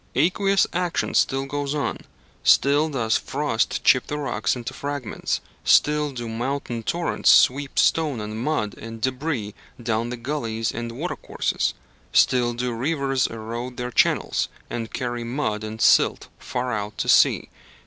Aqueous action still goes on: still does frost chip the rocks into fragments; still do mountain torrents sweep stone and mud and débris down the gulleys and watercourses; still do rivers erode their channels, and carry mud and silt far out to sea.